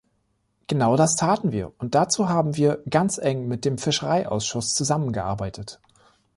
Genau das taten wir, und dazu haben wir ganz eng mit dem Fischereiausschuss zusammengearbeitet.